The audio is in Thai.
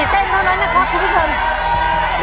เต้นเท่านั้นนะครับคุณผู้ชม